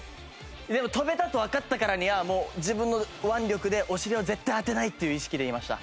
跳べたとわかったからにはもう自分の腕力でお尻を絶対当てないっていう意識でいました。